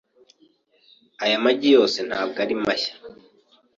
Aya magi yose ntabwo ari mashya .